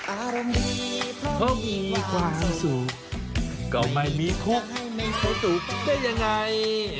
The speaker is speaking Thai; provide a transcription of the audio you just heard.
อารมณ์ดีเพราะมีความสุขก็ไม่มีทุกข์เพราะถูกก็ยังไง